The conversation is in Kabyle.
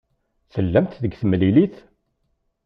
Tellam deg temlilit?